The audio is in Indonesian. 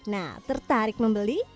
nah tertarik membeli